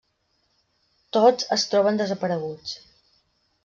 Tots es troben desapareguts.